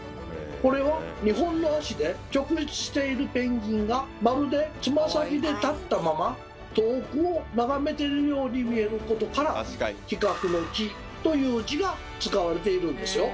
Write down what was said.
これは２本の足で直立しているペンギンがまるでつま先で立ったまま遠くを眺めてるように見えることから企画の「企」という字が使われているんですよ。